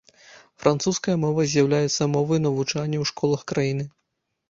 Французская мова з'яўляецца мовай навучання ў школах краіны.